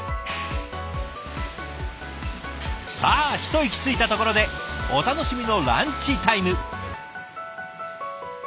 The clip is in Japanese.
さあ一息ついたところでお楽しみのランチタイム。